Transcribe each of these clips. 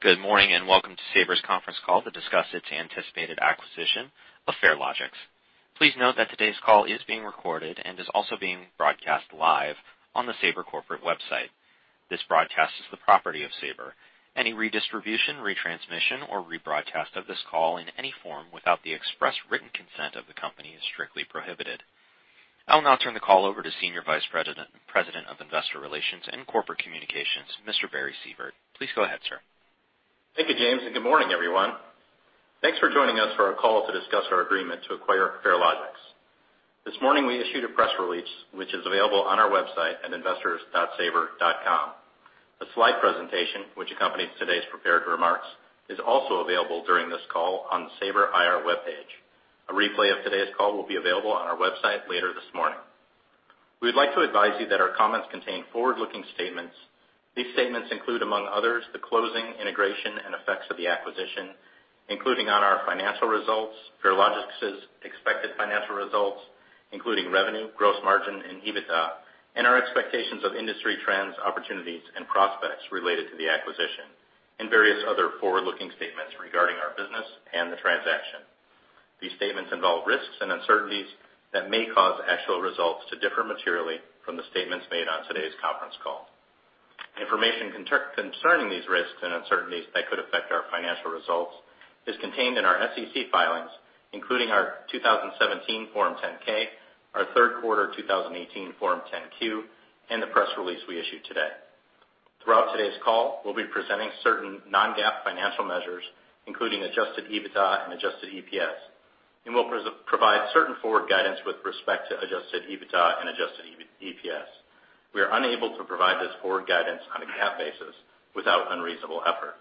Good morning, welcome to Sabre's conference call to discuss its anticipated acquisition of Farelogix. Please note that today's call is being recorded and is also being broadcast live on the Sabre corporate website. This broadcast is the property of Sabre. Any redistribution, retransmission, or rebroadcast of this call in any form without the express written consent of the company is strictly prohibited. I'll now turn the call over to Senior Vice President and President of Investor Relations and Corporate Communications, Mr. Barry Sievert. Please go ahead, sir. Thank you, James, good morning, everyone. Thanks for joining us for our call to discuss our agreement to acquire Farelogix. This morning, we issued a press release which is available on our website at investors.sabre.com. A slide presentation, which accompanies today's prepared remarks, is also available during this call on the Sabre IR webpage. A replay of today's call will be available on our website later this morning. We'd like to advise you that our comments contain forward-looking statements. These statements include, among others, the closing, integration, and effects of the acquisition, including on our financial results, Farelogix's expected financial results, including revenue, gross margin, and EBITDA, and our expectations of industry trends, opportunities, and prospects related to the acquisition, and various other forward-looking statements regarding our business and the transaction. These statements involve risks and uncertainties that may cause actual results to differ materially from the statements made on today's conference call. Information concerning these risks and uncertainties that could affect our financial results is contained in our SEC filings, including our 2017 Form 10-K, our third-quarter 2018 Form 10-Q, and the press release we issued today. Throughout today's call, we'll be presenting certain non-GAAP financial measures, including adjusted EBITDA and adjusted EPS, and we'll provide certain forward guidance with respect to adjusted EBITDA and adjusted EPS. We are unable to provide this forward guidance on a GAAP basis without unreasonable effort.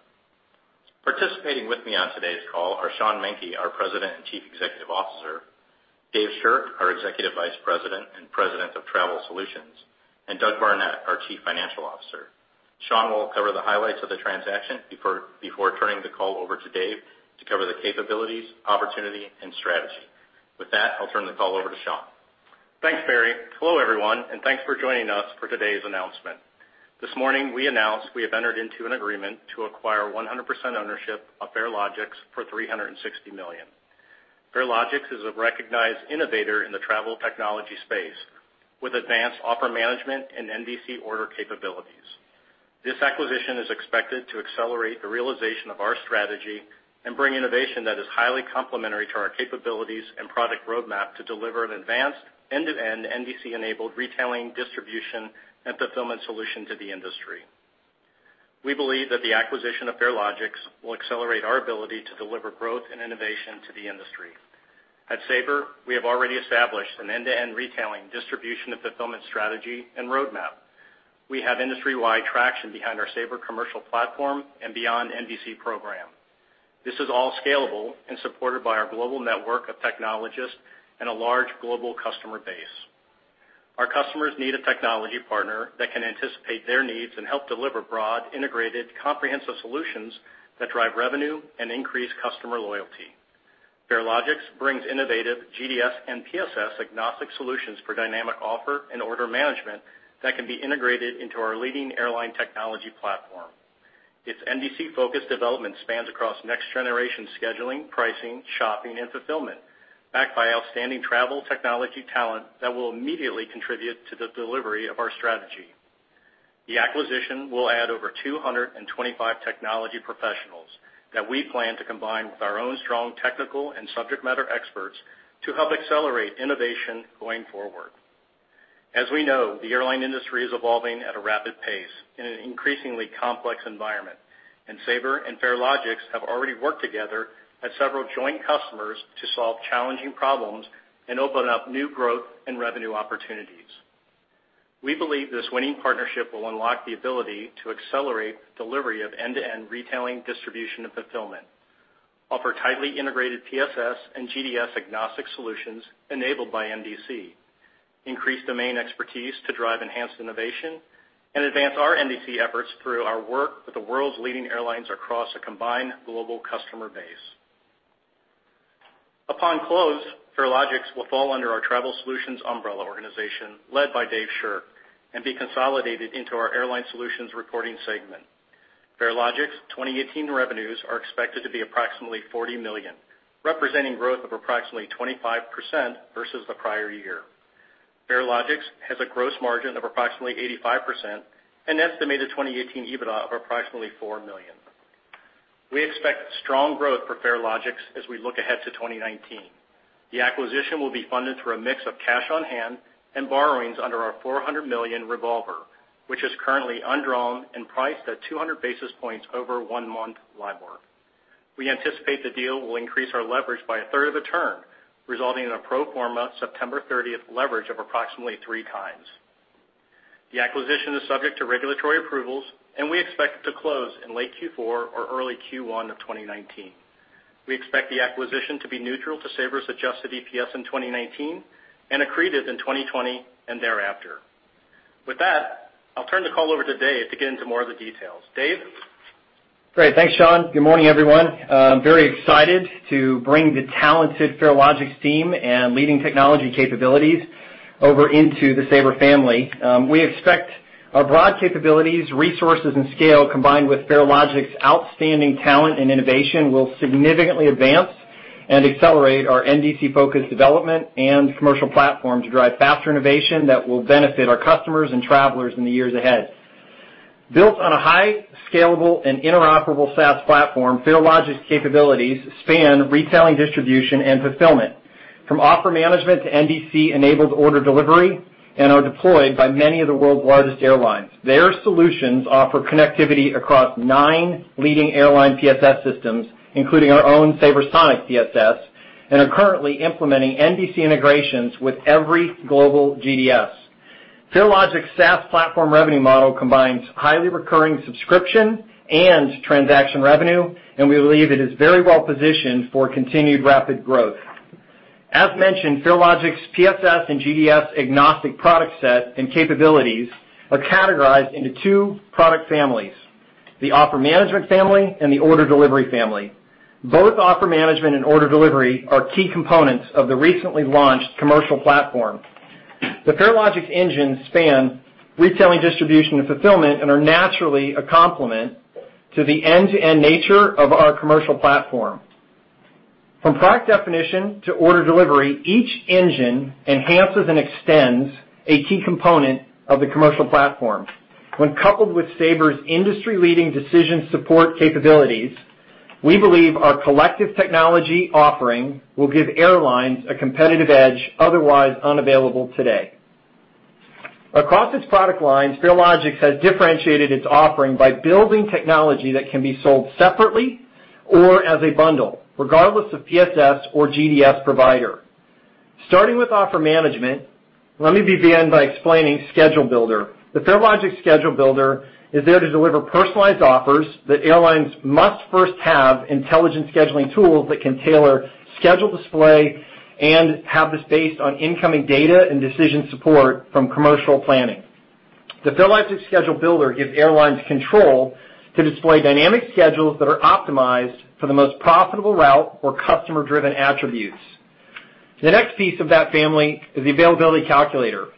Participating with me on today's call are Sean Menke, our President and Chief Executive Officer; Dave Shirk, our Executive Vice President and President of Travel Solutions; and Doug Barnett, our Chief Financial Officer. Sean will cover the highlights of the transaction before turning the call over to Dave to cover the capabilities, opportunity, and strategy. With that, I'll turn the call over to Sean. Thanks, Barry. Hello, everyone, and thanks for joining us for today's announcement. This morning, we announced we have entered into an agreement to acquire 100% ownership of Farelogix for $360 million. Farelogix is a recognized innovator in the travel technology space with advanced offer management and NDC order capabilities. This acquisition is expected to accelerate the realization of our strategy and bring innovation that is highly complementary to our capabilities and product roadmap to deliver an advanced end-to-end NDC-enabled retailing, distribution, and fulfillment solution to the industry. We believe that the acquisition of Farelogix will accelerate our ability to deliver growth and innovation to the industry. At Sabre, we have already established an end-to-end retailing, distribution, and fulfillment strategy and roadmap. We have industry-wide traction behind our Sabre Commercial Platform and Beyond NDC program. This is all scalable and supported by our global network of technologists and a large global customer base. Our customers need a technology partner that can anticipate their needs and help deliver broad, integrated, comprehensive solutions that drive revenue and increase customer loyalty. Farelogix brings innovative GDS and PSS-agnostic solutions for dynamic offer and order management that can be integrated into our leading airline technology platform. Its NDC-focused development spans across next-generation scheduling, pricing, shopping, and fulfillment, backed by outstanding travel technology talent that will immediately contribute to the delivery of our strategy. The acquisition will add over 225 technology professionals that we plan to combine with our own strong technical and subject matter experts to help accelerate innovation going forward. As we know, the airline industry is evolving at a rapid pace in an increasingly complex environment, Sabre and Farelogix have already worked together at several joint customers to solve challenging problems and open up new growth and revenue opportunities. We believe this winning partnership will unlock the ability to accelerate delivery of end-to-end retailing, distribution, and fulfillment, offer tightly integrated PSS and GDS-agnostic solutions enabled by NDC, increase domain expertise to drive enhanced innovation, and advance our NDC efforts through our work with the world's leading airlines across a combined global customer base. Upon close, Farelogix will fall under our Travel Solutions umbrella organization led by Dave Shirk and be consolidated into our Airline Solutions reporting segment. Farelogix 2018 revenues are expected to be approximately $40 million, representing growth of approximately 25% versus the prior year. Farelogix has a gross margin of approximately 85% and an estimated 2018 EBITDA of approximately $4 million. We expect strong growth for Farelogix as we look ahead to 2019. The acquisition will be funded through a mix of cash on hand and borrowings under our $400 million revolver, which is currently undrawn and priced at 200 basis points over one-month LIBOR. We anticipate the deal will increase our leverage by a third of a turn, resulting in a pro forma September 30th leverage of approximately three times. We expect it to close in late Q4 or early Q1 of 2019. We expect the acquisition to be neutral to Sabre's adjusted EPS in 2019 and accretive in 2020 and thereafter. With that, I'll turn the call over to Dave to get into more of the details. Dave? Great. Thanks, Sean. Good morning, everyone. I'm very excited to bring the talented Farelogix team and leading technology capabilities Over into the Sabre family. We expect our broad capabilities, resources, and scale, combined with Farelogix's outstanding talent and innovation, will significantly advance and accelerate our NDC-focused development and Commercial Platform to drive faster innovation that will benefit our customers and travelers in the years ahead. Built on a high scalable and interoperable SaaS platform, Farelogix capabilities span retailing, distribution, and fulfillment, from offer management to NDC-enabled order delivery, and are deployed by many of the world's largest airlines. Their solutions offer connectivity across nine leading airline PSS systems, including our own SabreSonic PSS, and are currently implementing NDC integrations with every global GDS. Farelogix SaaS platform revenue model combines highly recurring subscription and transaction revenue, and we believe it is very well positioned for continued rapid growth. As mentioned, Farelogix PSS and GDS-agnostic product set and capabilities are categorized into two product families, the offer management family and the order delivery family. Both offer management and order delivery are key components of the recently launched Commercial Platform. The Farelogix engine span retailing, distribution, and fulfillment, and are naturally a complement to the end-to-end nature of our Commercial Platform. From product definition to order delivery, each engine enhances and extends a key component of the Commercial Platform. When coupled with Sabre's industry-leading decision support capabilities, we believe our collective technology offering will give airlines a competitive edge otherwise unavailable today. Across its product lines, Farelogix has differentiated its offering by building technology that can be sold separately or as a bundle, regardless of PSS or GDS provider. Starting with offer management, let me begin by explaining Schedule Builder. The Farelogix Schedule Builder is there to deliver personalized offers that airlines must first have intelligent scheduling tools that can tailor schedule display and have this based on incoming data and decision support from commercial planning. The Farelogix Schedule Builder gives airlines control to display dynamic schedules that are optimized for the most profitable route or customer-driven attributes. The next piece of that family is the Availability Calculator.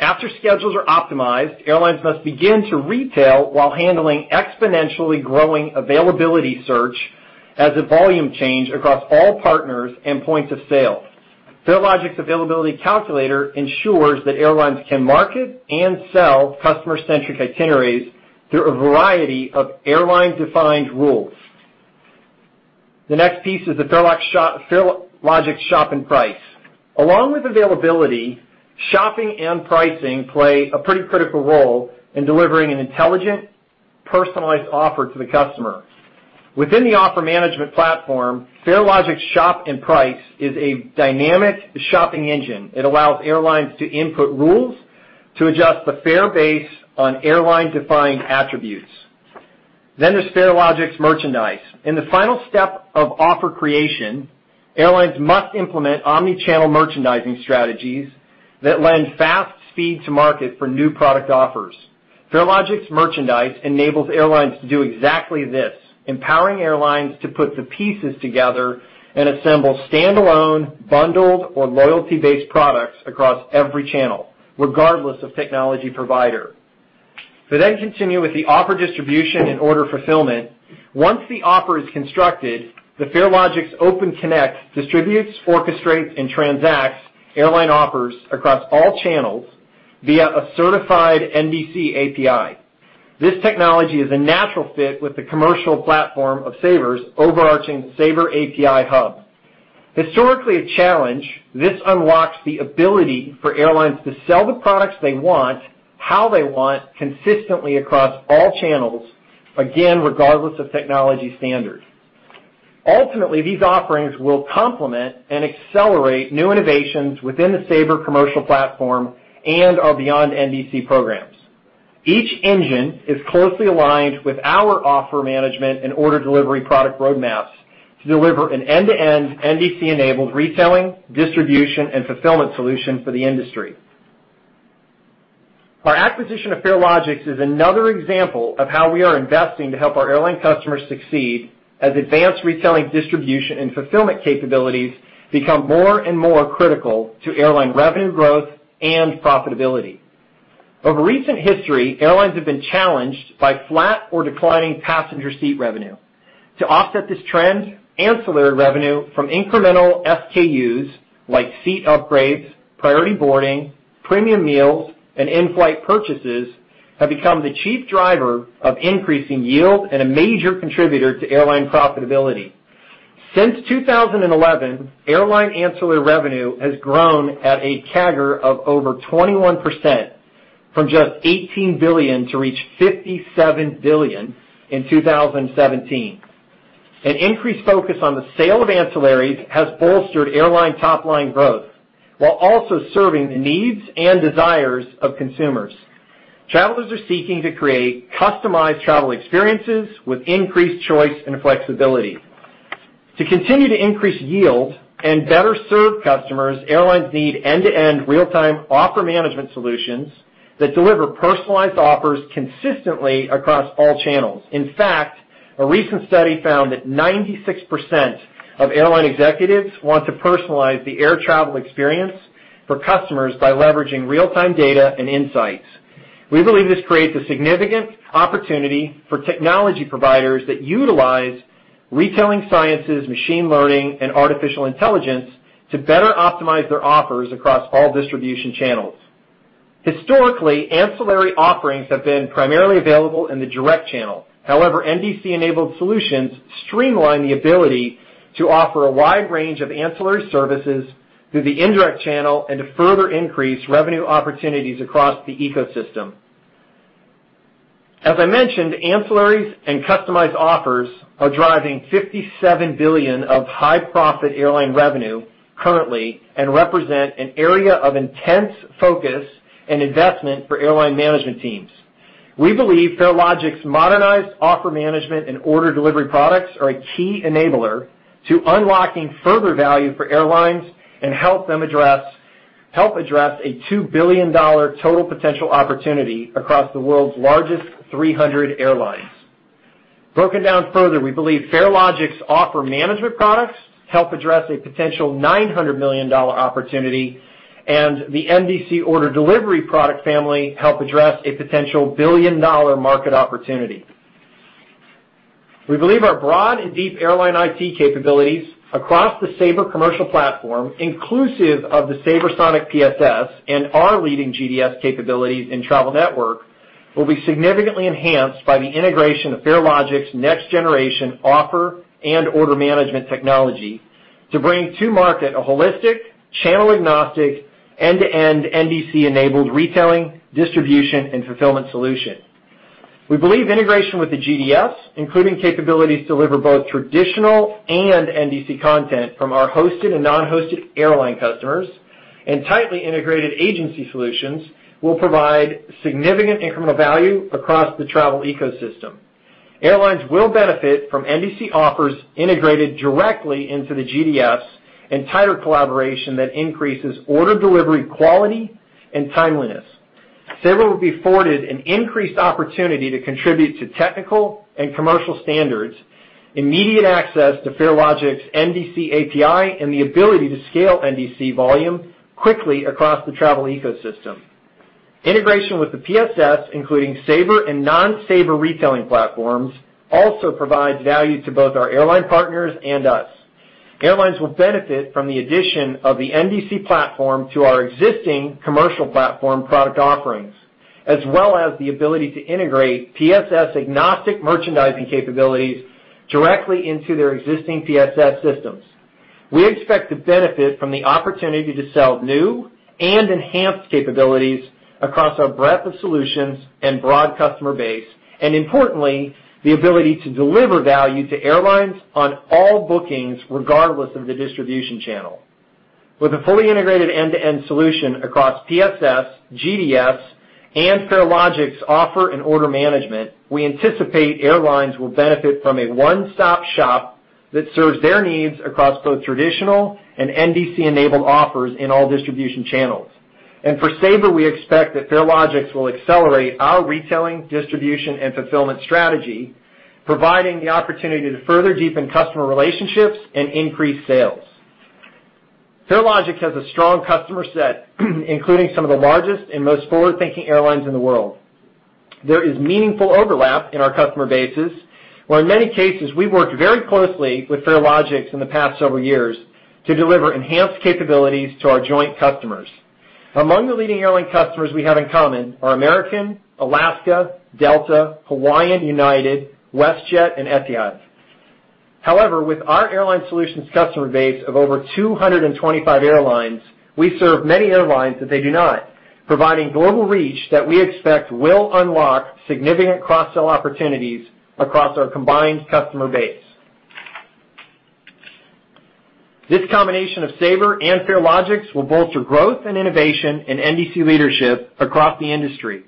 After schedules are optimized, airlines must begin to retail while handling exponentially growing availability search as a volume change across all partners and points of sale. Farelogix Availability Calculator ensures that airlines can market and sell customer-centric itineraries through a variety of airline-defined rules. The next piece is the Farelogix Shop and Price. Along with availability, shopping and pricing play a pretty critical role in delivering an intelligent, personalized offer to the customer. Within the offer management platform, FLX Shop & Price is a dynamic shopping engine. It allows airlines to input rules to adjust the fare base on airline-defined attributes. FLX Merchandise. In the final step of offer creation, airlines must implement omni-channel merchandising strategies that lend fast speed to market for new product offers. FLX Merchandise enables airlines to do exactly this, empowering airlines to put the pieces together and assemble standalone, bundled, or loyalty-based products across every channel, regardless of technology provider. Continue with the offer distribution and order fulfillment. Once the offer is constructed, the Farelogix Open Connect distributes, orchestrates, and transacts airline offers across all channels via a certified NDC API. This technology is a natural fit with the Sabre Commercial Platform of Sabre's overarching Sabre API Hub. Historically a challenge, this unlocks the ability for airlines to sell the products they want, how they want, consistently across all channels, again, regardless of technology standard. Ultimately, these offerings will complement and accelerate new innovations within the Sabre Commercial Platform and our Beyond NDC programs. Each engine is closely aligned with our offer management and order delivery product roadmaps to deliver an end-to-end NDC-enabled retailing, distribution, and fulfillment solution for the industry. Our acquisition of Farelogix is another example of how we are investing to help our airline customers succeed as advanced retailing, distribution, and fulfillment capabilities become more and more critical to airline revenue growth and profitability. Over recent history, airlines have been challenged by flat or declining passenger seat revenue. To offset this trend, ancillary revenue from incremental SKUs, like seat upgrades, priority boarding, premium meals, and in-flight purchases, have become the chief driver of increasing yield and a major contributor to airline profitability. Since 2011, airline ancillary revenue has grown at a CAGR of over 21%, from just $18 billion to reach $57 billion in 2017. An increased focus on the sale of ancillaries has bolstered airline top-line growth while also serving the needs and desires of consumers. Travelers are seeking to create customized travel experiences with increased choice and flexibility. To continue to increase yield and better serve customers, airlines need end-to-end real-time offer management solutions that deliver personalized offers consistently across all channels. In fact, a recent study found that 96% of airline executives want to personalize the air travel experience for customers by leveraging real-time data and insights. We believe this creates a significant opportunity for technology providers that utilize retailing sciences, machine learning, and artificial intelligence to better optimize their offers across all distribution channels. Historically, ancillary offerings have been primarily available in the direct channel. However, NDC-enabled solutions streamline the ability to offer a wide range of ancillary services through the indirect channel and to further increase revenue opportunities across the ecosystem. As I mentioned, ancillaries and customized offers are driving $57 billion of high profit airline revenue currently and represent an area of intense focus and investment for airline management teams. We believe Farelogix modernized offer management and order delivery products are a key enabler to unlocking further value for airlines and help address a $2 billion total potential opportunity across the world's largest 300 airlines. Broken down further, we believe Farelogix offer management products help address a potential $900 million opportunity, and the NDC order delivery product family help address a potential billion-dollar market opportunity. We believe our broad and deep Airline Solutions IT capabilities across the Sabre Commercial Platform, inclusive of the SabreSonic PSS and our leading GDS capabilities in Sabre Travel Network, will be significantly enhanced by the integration of Farelogix's next generation offer and order management technology to bring to market a holistic, channel-agnostic, end-to-end NDC-enabled retailing, distribution, and fulfillment solution. We believe integration with the GDS, including capabilities to deliver both traditional and NDC content from our hosted and non-hosted airline customers, and tightly integrated agency solutions will provide significant incremental value across the travel ecosystem. Airlines will benefit from NDC offers integrated directly into the GDS and tighter collaboration that increases order delivery quality and timeliness. Sabre will be afforded an increased opportunity to contribute to technical and commercial standards, immediate access to Farelogix's NDC API, and the ability to scale NDC volume quickly across the travel ecosystem. Integration with the PSS, including Sabre and non-Sabre retailing platforms, also provides value to both our airline partners and us. Airlines will benefit from the addition of the NDC platform to our existing Commercial Platform product offerings, as well as the ability to integrate PSS-agnostic merchandising capabilities directly into their existing PSS systems. We expect to benefit from the opportunity to sell new and enhanced capabilities across our breadth of solutions and broad customer base, and importantly, the ability to deliver value to airlines on all bookings regardless of the distribution channel. With a fully integrated end-to-end solution across PSS, GDS, and Farelogix offer and order management, we anticipate airlines will benefit from a one-stop shop that serves their needs across both traditional and NDC-enabled offers in all distribution channels. For Sabre, we expect that Farelogix will accelerate our retailing, distribution, and fulfillment strategy, providing the opportunity to further deepen customer relationships and increase sales. Farelogix has a strong customer set, including some of the largest and most forward-thinking airlines in the world. There is meaningful overlap in our customer bases, where in many cases, we've worked very closely with Farelogix in the past several years to deliver enhanced capabilities to our joint customers. Among the leading airline customers we have in common are American Airlines, Alaska Airlines, Delta Air Lines, Hawaiian Airlines, United Airlines, WestJet, and Etihad Airways. With our Airline Solutions customer base of over 225 airlines, we serve many airlines that they do not, providing global reach that we expect will unlock significant cross-sell opportunities across our combined customer base. This combination of Sabre and Farelogix will bolster growth and innovation in NDC leadership across the industry.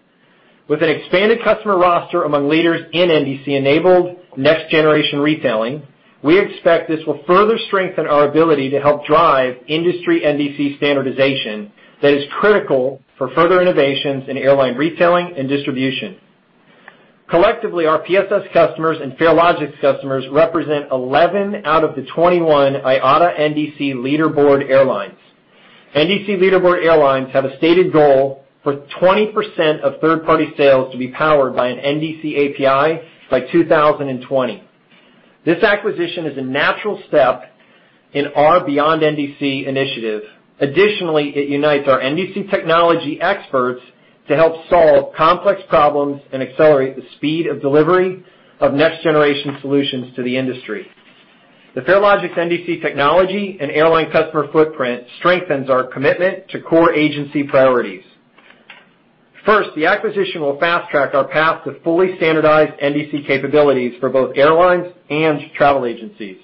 With an expanded customer roster among leaders in NDC-enabled next generation retailing, we expect this will further strengthen our ability to help drive industry NDC standardization that is critical for further innovations in airline retailing and distribution. Collectively, our PSS customers and Farelogix customers represent 11 out of the 21 IATA NDC Leaderboard airlines. NDC Leaderboard airlines have a stated goal for 20% of third-party sales to be powered by an NDC API by 2020. This acquisition is a natural step in our Beyond NDC initiative. Additionally, it unites our NDC technology experts to help solve complex problems and accelerate the speed of delivery of next generation solutions to the industry. The Farelogix NDC technology and airline customer footprint strengthens our commitment to core agency priorities. First, the acquisition will fast-track our path to fully standardized NDC capabilities for both airlines and travel agencies.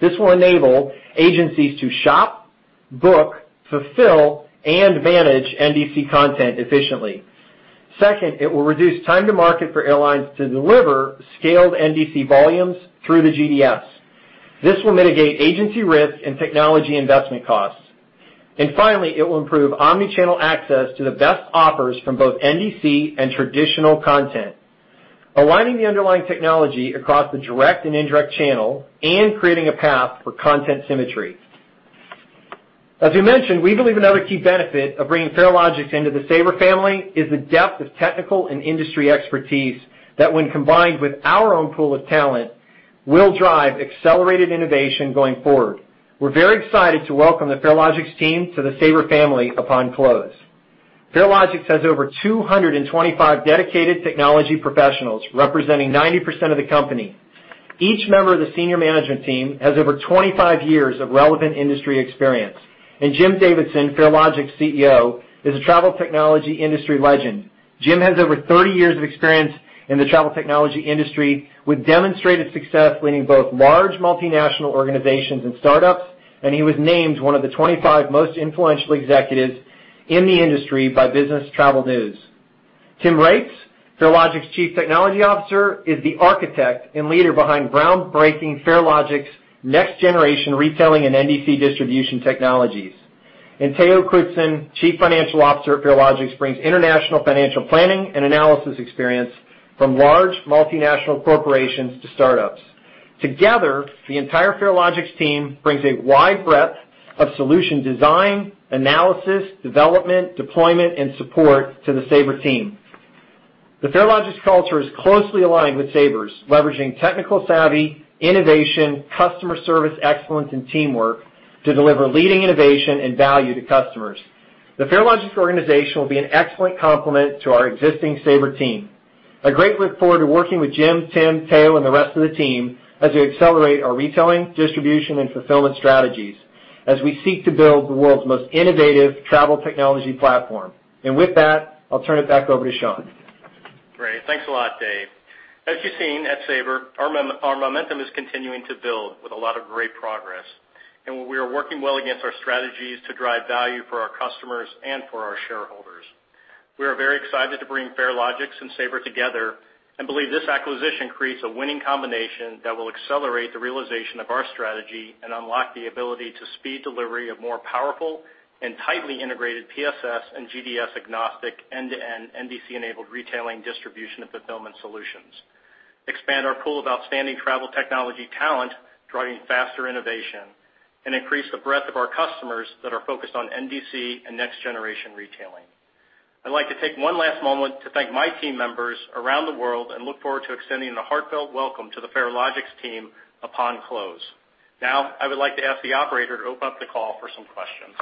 This will enable agencies to shop, book, fulfill, and manage NDC content efficiently. Second, it will reduce time to market for airlines to deliver scaled NDC volumes through the GDS. This will mitigate agency risk and technology investment costs. Finally, it will improve omni-channel access to the best offers from both NDC and traditional content, aligning the underlying technology across the direct and indirect channel and creating a path for content symmetry. As you mentioned, we believe another key benefit of bringing Farelogix into the Sabre family is the depth of technical and industry expertise that when combined with our own pool of talent, will drive accelerated innovation going forward. We're very excited to welcome the Farelogix team to the Sabre family upon close. Farelogix has over 225 dedicated technology professionals representing 90% of the company. Each member of the senior management team has over 25 years of relevant industry experience, and Jim Davidson, Farelogix CEO, is a travel technology industry legend. Jim has over 30 years of experience in the travel technology industry, with demonstrated success leading both large multinational organizations and startups, and he was named one of the 25 most influential executives in the industry by Business Travel News. Tim Reitz, Farelogix Chief Technology Officer, is the architect and leader behind groundbreaking Farelogix next-generation retailing and NDC distribution technologies. Theo Kroese, Chief Financial Officer at Farelogix, brings international financial planning and analysis experience from large multinational corporations to startups. Together, the entire Farelogix team brings a wide breadth of solution design, analysis, development, deployment, and support to the Sabre team. The Farelogix culture is closely aligned with Sabre's, leveraging technical savvy, innovation, customer service excellence, and teamwork to deliver leading innovation and value to customers. The Farelogix organization will be an excellent complement to our existing Sabre team. I great look forward to working with Jim, Tim, Theo, and the rest of the team as we accelerate our retailing, distribution, and fulfillment strategies as we seek to build the world's most innovative travel technology platform. With that, I'll turn it back over to Sean. Great. Thanks a lot, Dave. As you've seen at Sabre, our momentum is continuing to build with a lot of great progress, and we are working well against our strategies to drive value for our customers and for our shareholders. We are very excited to bring Farelogix and Sabre together and believe this acquisition creates a winning combination that will accelerate the realization of our strategy and unlock the ability to speed delivery of more powerful and tightly integrated PSS and GDS-agnostic end-to-end NDC-enabled retailing distribution and fulfillment solutions, expand our pool of outstanding travel technology talent, driving faster innovation, and increase the breadth of our customers that are focused on NDC and next-generation retailing. I'd like to take one last moment to thank my team members around the world and look forward to extending a heartfelt welcome to the Farelogix team upon close. Now, I would like to ask the operator to open up the call for some questions.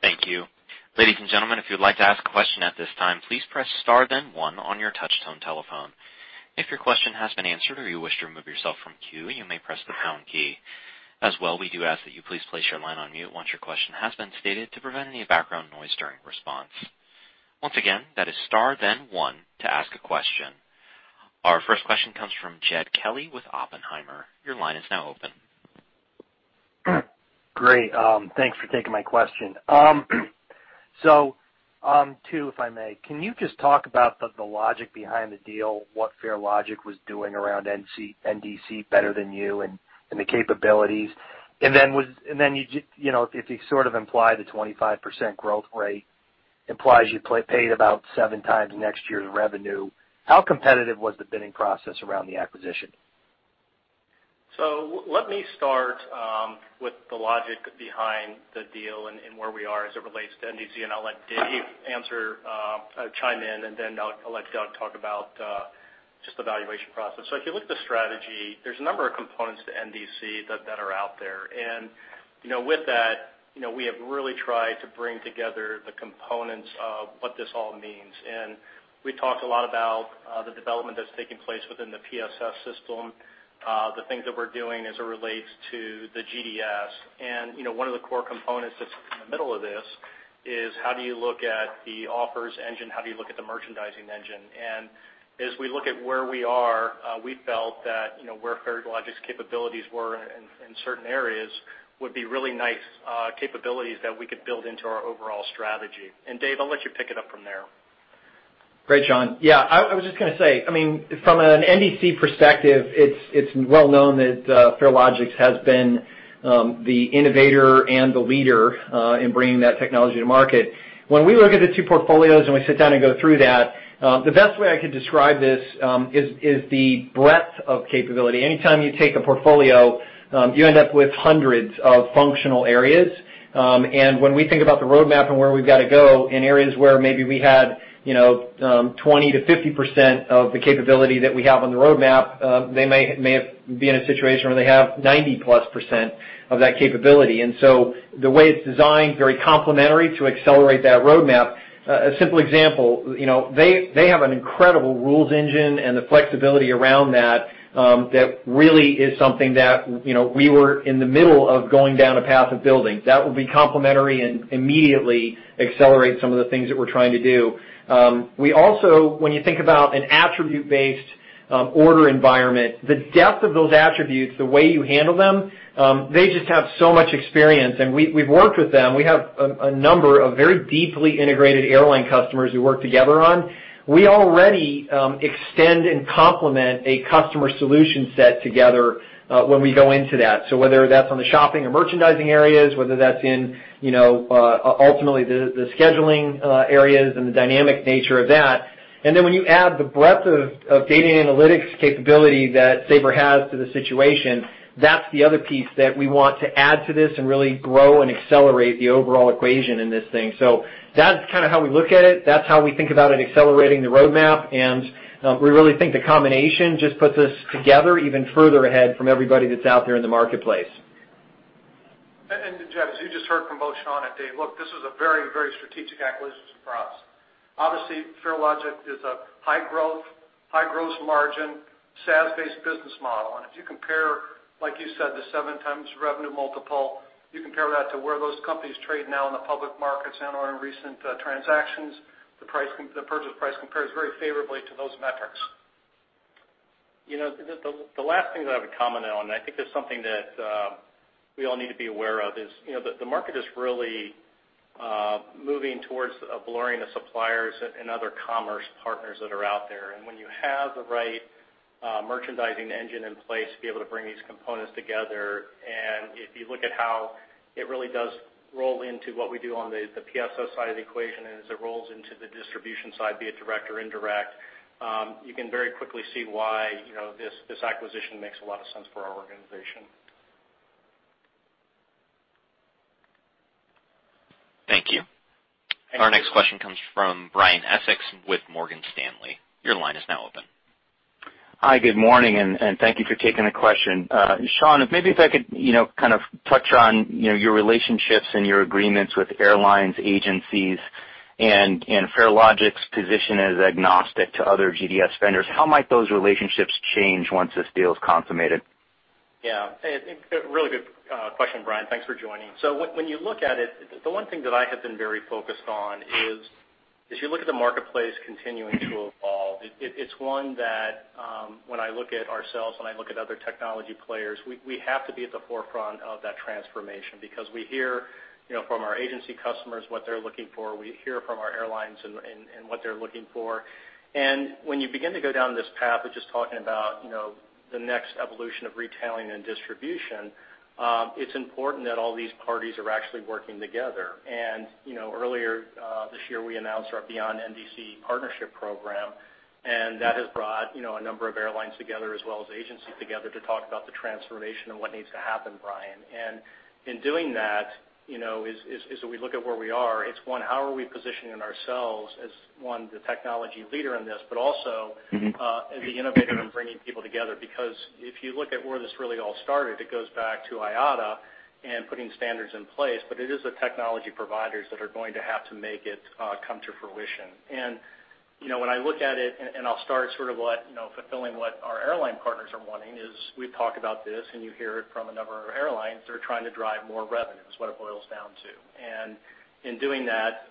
Thank you. Ladies and gentlemen, if you'd like to ask a question at this time, please press star then one on your touch tone telephone. If your question has been answered or you wish to remove yourself from queue, you may press the pound key. As well, we do ask that you please place your line on mute once your question has been stated to prevent any background noise during response. Once again, that is star then one to ask a question. Our first question comes from Jed Kelly with Oppenheimer. Your line is now open. Great. Thanks for taking my question. Two, if I may. Can you just talk about the logic behind the deal, what Farelogix was doing around NDC better than you and the capabilities? Then if you imply the 25% growth rate implies you paid about seven times next year's revenue, how competitive was the bidding process around the acquisition? Let me start with the logic behind the deal and where we are as it relates to NDC, and I'll let Dave answer, chime in, then I'll let Doug talk about just the valuation process. If you look at the strategy, there's a number of components to NDC that are out there. With that, we have really tried to bring together the components of what this all means. We talked a lot about the development that's taking place within the PSS system, the things that we're doing as it relates to the GDS. One of the core components that's in the middle of this is how do you look at the offers engine, how do you look at the merchandising engine? As we look at where we are, we felt that where Farelogix capabilities were in certain areas would be really nice capabilities that we could build into our overall strategy. Dave, I'll let you pick it up from there. Great, Sean. Yeah, I was just going to say, from an NDC perspective, it's well known that Farelogix has been the innovator and the leader in bringing that technology to market. When we look at the two portfolios and we sit down and go through that, the best way I could describe this is the breadth of capability. Anytime you take a portfolio, you end up with hundreds of functional areas. When we think about the roadmap and where we've got to go in areas where maybe we had 20%-50% of the capability that we have on the roadmap, they may be in a situation where they have 90-plus% of that capability. The way it's designed, very complementary to accelerate that roadmap. A simple example, they have an incredible rules engine and the flexibility around that really is something that we were in the middle of going down a path of building. That will be complementary and immediately accelerate some of the things that we're trying to do. We also, when you think about an attribute-based Order environment, the depth of those attributes, the way you handle them, they just have so much experience. We've worked with them. We have a number of very deeply integrated airline customers we work together on. We already extend and complement a customer solution set together when we go into that. Whether that's on the shopping or merchandising areas, whether that's in ultimately the scheduling areas and the dynamic nature of that. When you add the breadth of data analytics capability that Sabre has to the situation, that's the other piece that we want to add to this and really grow and accelerate the overall equation in this thing. That's kind of how we look at it. That's how we think about it accelerating the roadmap, and we really think the combination just puts us together even further ahead from everybody that's out there in the marketplace. Jed, as you just heard from both Sean and Dave, look, this is a very strategic acquisition for us. Obviously, Farelogix is a high growth, high gross margin, SaaS-based business model. If you compare, like you said, the 7x revenue multiple, you compare that to where those companies trade now in the public markets and/or in recent transactions, the purchase price compares very favorably to those metrics. The last thing that I would comment on, I think is something that we all need to be aware of, is the market is really moving towards blurring the suppliers and other commerce partners that are out there. When you have the right merchandising engine in place to be able to bring these components together, and if you look at how it really does roll into what we do on the PSS side of the equation, and as it rolls into the distribution side, be it direct or indirect, you can very quickly see why this acquisition makes a lot of sense for our organization. Thank you. Thank you. Our next question comes from Brian Essex with Morgan Stanley. Your line is now open. Hi, good morning. Thank you for taking the question. Sean, maybe if I could kind of touch on your relationships and your agreements with airlines, agencies, Farelogix's position as agnostic to other GDS vendors. How might those relationships change once this deal is consummated? Yeah. A really good question, Brian. Thanks for joining. When you look at it, the one thing that I have been very focused on is if you look at the marketplace continuing to evolve, it's one that when I look at ourselves, when I look at other technology players, we have to be at the forefront of that transformation because we hear from our agency customers what they're looking for. We hear from our airlines and what they're looking for. When you begin to go down this path of just talking about the next evolution of retailing and distribution, it's important that all these parties are actually working together. Earlier this year, we announced our Beyond NDC partnership program, that has brought a number of airlines together as well as agencies together to talk about the transformation and what needs to happen, Brian. In doing that, as we look at where we are, it's one, how are we positioning ourselves as the technology leader in this, but also as the innovator in bringing people together. If you look at where this really all started, it goes back to IATA and putting standards in place. It is the technology providers that are going to have to make it come to fruition. When I look at it, I'll start sort of fulfilling what our airline partners are wanting is we've talked about this, and you hear it from a number of our airlines. They're trying to drive more revenues, what it boils down to. In doing that,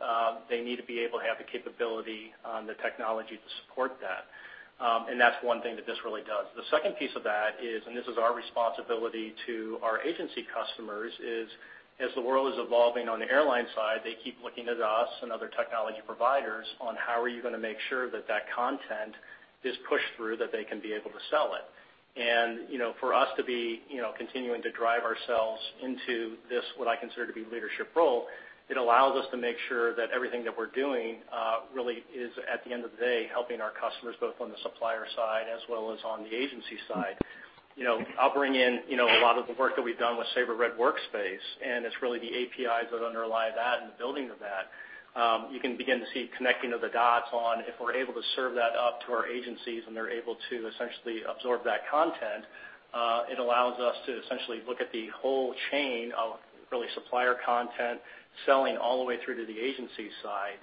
they need to be able to have the capability and the technology to support that. That's one thing that this really does. The second piece of that is, this is our responsibility to our agency customers, is as the world is evolving on the airline side, they keep looking at us and other technology providers on how are you going to make sure that content is pushed through that they can be able to sell it. For us to be continuing to drive ourselves into this, what I consider to be leadership role, it allows us to make sure that everything that we're doing really is, at the end of the day, helping our customers, both on the supplier side as well as on the agency side. I'll bring in a lot of the work that we've done with Sabre Red Workspace, it's really the APIs that underlie that and the building of that. You can begin to see connecting of the dots on if we're able to serve that up to our agencies and they're able to essentially absorb that content, it allows us to essentially look at the whole chain of really supplier content selling all the way through to the agency side.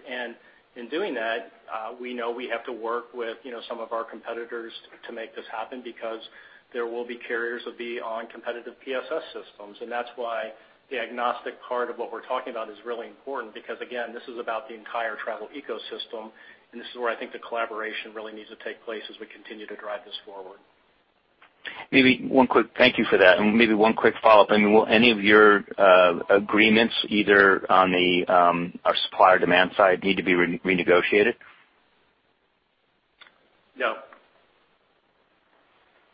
In doing that, we know we have to work with some of our competitors to make this happen because there will be carriers that will be on competitive PSS systems. That's why the agnostic part of what we're talking about is really important because, again, this is about the entire travel ecosystem, this is where I think the collaboration really needs to take place as we continue to drive this forward. Thank you for that. Maybe one quick follow-up. Will any of your agreements, either on the supplier demand side, need to be renegotiated? No.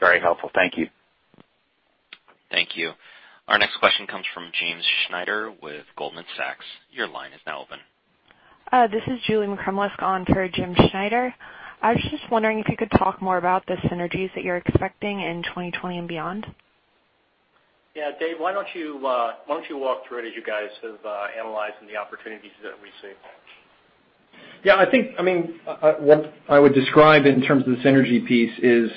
Very helpful. Thank you. Thank you. Our next question comes from James Schneider with Goldman Sachs. Your line is now open. This is Julie McCrumlish on for Jim Schneider. I was just wondering if you could talk more about the synergies that you're expecting in 2020 and beyond. Yeah. Dave, why don't you walk through it as you guys have analyzed and the opportunities that we see? What I would describe in terms of the synergy piece is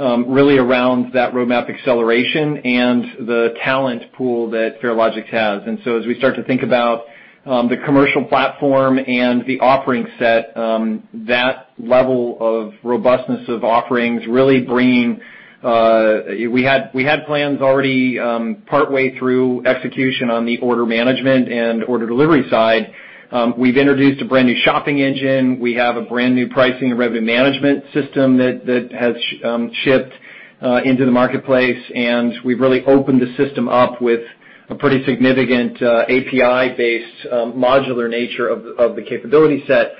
really around that roadmap acceleration and the talent pool that Farelogix has. As we start to think about the Sabre Commercial Platform and the offering set, that level of robustness of offerings really. We had plans already partway through execution on the order management and order delivery side. We've introduced a brand new shopping engine. We have a brand new pricing and revenue management system that has shipped into the marketplace, and we've really opened the system up with a pretty significant API-based modular nature of the capability set.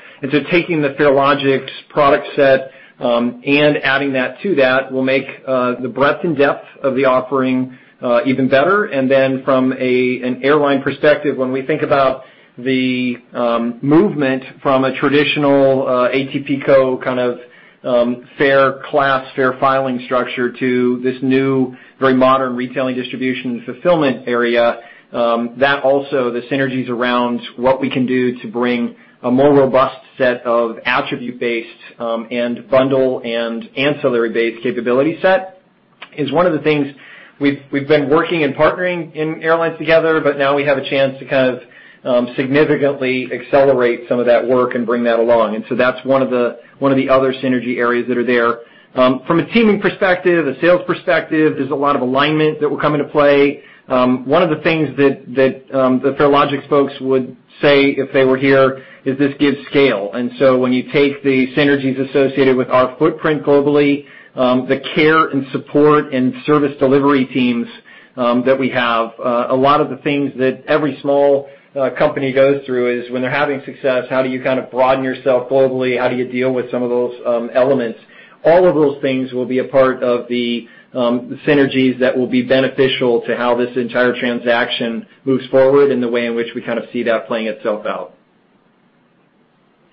Taking the Farelogix product set and adding that to that will make the breadth and depth of the offering even better. From an airline perspective, when we think about the movement from a traditional ATPCO kind of fare class, fare filing structure to this new very modern retailing distribution and fulfillment area, that also the synergies around what we can do to bring a more robust set of attribute-based and bundle and ancillary-based capability set is one of the things we've been working and partnering in airlines together. Now we have a chance to kind of significantly accelerate some of that work and bring that along. That's one of the other synergy areas that are there. From a teaming perspective, a sales perspective, there's a lot of alignment that will come into play. One of the things that the Farelogix folks would say if they were here is this gives scale. When you take the synergies associated with our footprint globally, the care and support and service delivery teams that we have, a lot of the things that every small company goes through is when they're having success, how do you kind of broaden yourself globally? How do you deal with some of those elements? All of those things will be a part of the synergies that will be beneficial to how this entire transaction moves forward and the way in which we kind of see that playing itself out.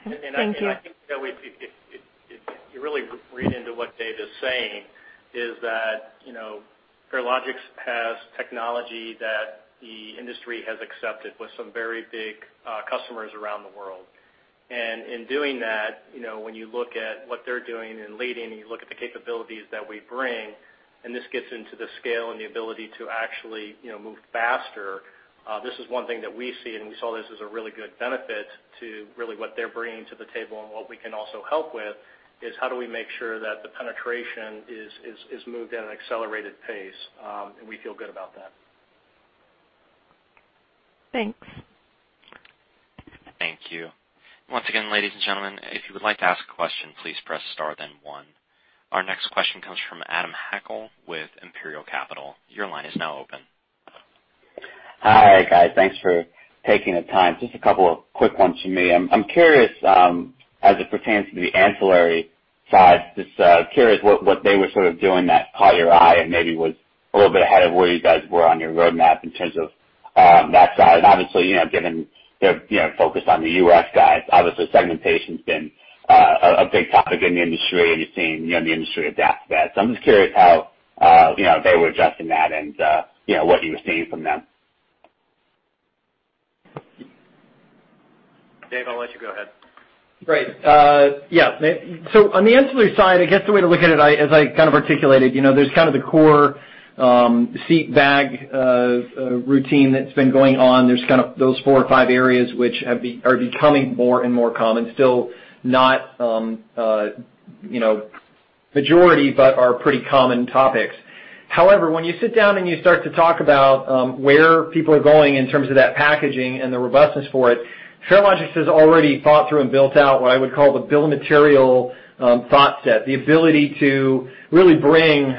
Thank you. I think that if you really read into what Dave is saying is that Farelogix has technology that the industry has accepted with some very big customers around the world. In doing that, when you look at what they're doing and leading and you look at the capabilities that we bring, and this gets into the scale and the ability to actually move faster, this is one thing that we see, and we saw this as a really good benefit to really what they're bringing to the table and what we can also help with is how do we make sure that the penetration is moved at an accelerated pace, and we feel good about that. Thanks. Thank you. Once again, ladies and gentlemen, if you would like to ask a question, please press star then 1. Our next question comes from Adam Hackel with Imperial Capital. Your line is now open. Hi, guys. Thanks for taking the time. Just a couple of quick ones from me. I'm curious as it pertains to the ancillary side, just curious what they were sort of doing that caught your eye and maybe was a little bit ahead of where you guys were on your roadmap in terms of on that side. Obviously, given their focus on the U.S. guys, obviously segmentation's been a big topic in the industry, and you're seeing the industry adapt to that. I'm just curious how they were adjusting that and what you were seeing from them. Dave, I'll let you go ahead. Great. Yeah. On the ancillary side, I guess the way to look at it, as I kind of articulated, there's kind of the core seat bag routine that's been going on. There's kind of those four or five areas which are becoming more and more common, still not majority, but are pretty common topics. When you sit down and you start to talk about where people are going in terms of that packaging and the robustness for it, Farelogix has already thought through and built out what I would call the bill of material thought set, the ability to really bring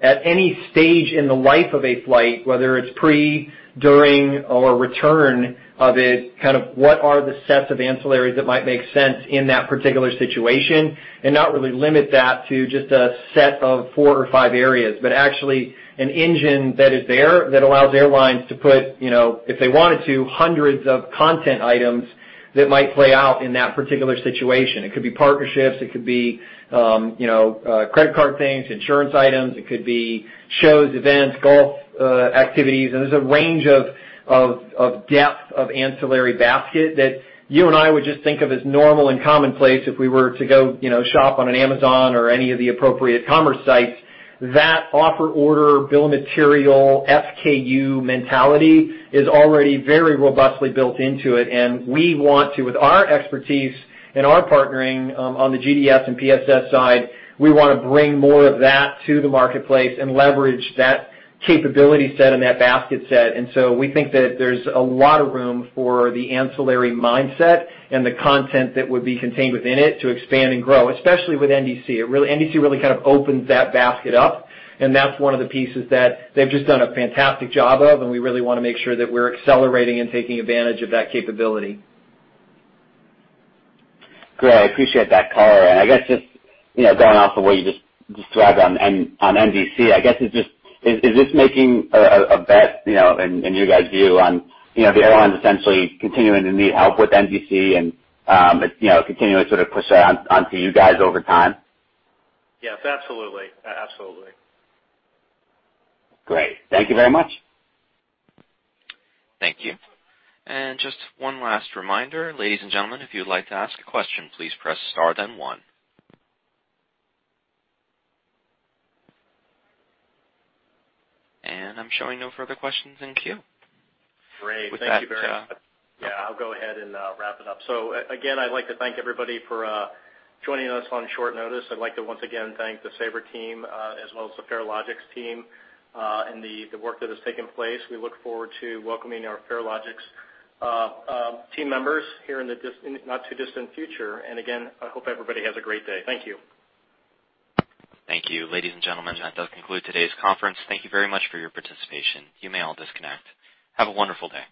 at any stage in the life of a flight, whether it's pre, during or return of it, kind of what are the sets of ancillaries that might make sense in that particular situation and not really limit that to just a set of four or five areas, but actually an engine that is there that allows airlines to put, if they wanted to, hundreds of content items that might play out in that particular situation. It could be partnerships, it could be credit card things, insurance items, it could be shows, events, golf activities, there's a range of depth of ancillary basket that you and I would just think of as normal and commonplace if we were to go shop on an Amazon or any of the appropriate commerce sites. That offer, order, SKU mentality is already very robustly built into it, and we want to, with our expertise and our partnering on the GDS and PSS side, we want to bring more of that to the marketplace and leverage that capability set and that basket set. We think that there's a lot of room for the ancillary mindset and the content that would be contained within it to expand and grow, especially with NDC. NDC really kind of opens that basket up, that's one of the pieces that they've just done a fantastic job of, we really want to make sure that we're accelerating and taking advantage of that capability. Great. I appreciate that color. I guess just going off of what you just described on NDC, I guess is this making a bet in your guys' view on the airlines essentially continuing to need help with NDC and continuing to sort of push that onto you guys over time? Yes, absolutely. Great. Thank you very much. Thank you. Just one last reminder, ladies and gentlemen, if you'd like to ask a question, please press star then one. I'm showing no further questions in queue. Great. Thank you very much. Yeah, I'll go ahead and wrap it up. Again, I'd like to thank everybody for joining us on short notice. I'd like to once again thank the Sabre team as well as the Farelogix team and the work that has taken place. We look forward to welcoming our Farelogix team members here in the not too distant future. Again, I hope everybody has a great day. Thank you. Thank you. Ladies and gentlemen, that does conclude today's conference. Thank you very much for your participation. You may all disconnect. Have a wonderful day.